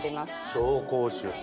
紹興酒。